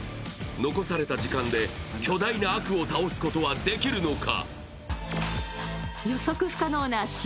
残された時間で巨大な悪を倒すことはできるのか。